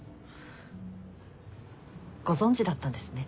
ご存じだったんですね。